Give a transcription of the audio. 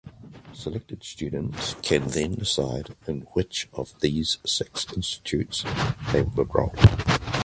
Selected students can then decide in which of these six institutes they will enrol.